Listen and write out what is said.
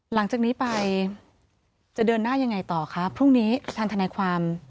หลังจากนี้ไปจะเดินหน้ายังไงต่อคะพรุ่งนี้ทางทนายความ